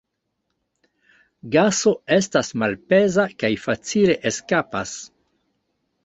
Gaso estas malpeza kaj facile eskapas.